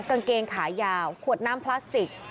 กางเกงขายาวขวดน้ำพลาสติก